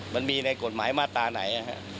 มันมีในกฎหมายมาตราไหน